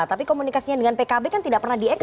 tapi komunikasinya dengan pkb kan tidak pernah diekspo